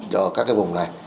do các vùng này